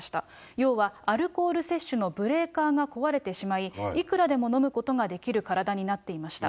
要は、アルコール摂取のブレーカーが壊れてしまい、いくらでも飲むことができる体になっていました。